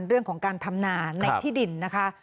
เรื่องของการทำนาในที่ดินนะคะ